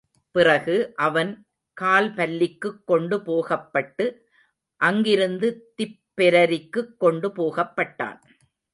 பிறகு, அவன் கால்பல்லிக்குக் கொண்டு போகப்பட்டு, அங்கிருந்து திப்பெரரிக்குக் கொண்டு போகப்பட்டான்.